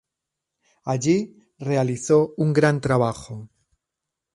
Allí realizó un gran trabajo.